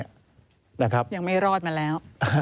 ยังไม่รอดมาแล้ว